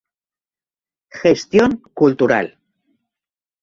Gestión cultural.